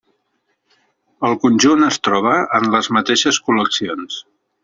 El conjunt es troba en les mateixes col·leccions.